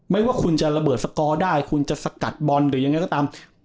ไม่ว่าคุณจะระเบิดสกอร์ได้คุณจะสกัดบอลหรือยังไงก็ตาม